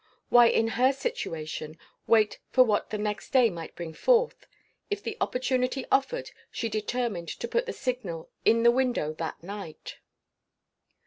Why, in her situation, wait for what the next day might bring forth? If the opportunity offered, she determined to put the signal in the window that night.